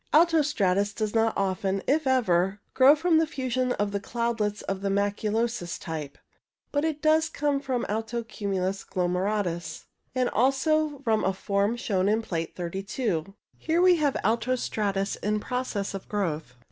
Alto stratus does not often, if ever, grow from the fusion of the cloudlets of the maculosus type. But it does come from alto cumulus glomeratus, and also from a form shown in Plate 32. Here we have alto stratus in process of growth.